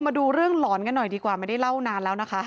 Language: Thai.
มาดูเรื่องหลอนกันหน่อยดีกว่าไม่ได้เล่านานแล้วนะคะ